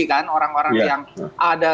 kan orang orang yang ada